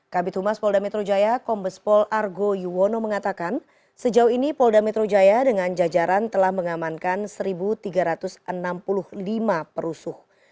kabit humas polda metro jaya kombespol argo yuwono mengatakan sejauh ini polda metro jaya dengan jajaran telah mengamankan satu tiga ratus enam puluh lima perusuh